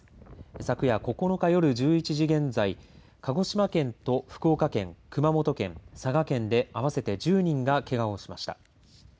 昨夜９日夜１１時現在鹿児島県と福岡県、熊本県佐賀県で合わせて１０人がけがをしました。